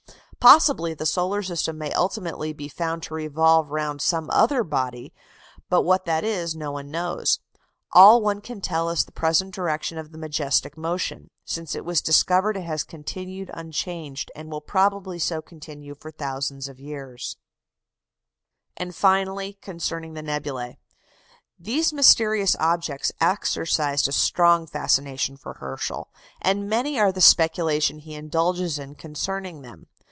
Possibly the solar system may ultimately be found to revolve round some other body, but what that is no one knows. All one can tell is the present direction of the majestic motion: since it was discovered it has continued unchanged, and will probably so continue for thousands of years. [Illustration: FIG. 87. Old drawing of the cluster in Hercules.] And, finally, concerning the nebulæ. These mysterious objects exercised a strong fascination for Herschel, and many are the speculations he indulges in concerning them.